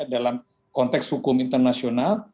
dalam konteks hukum internasional